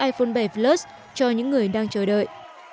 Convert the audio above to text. iphone bảy plus cho những người đang chờ đợi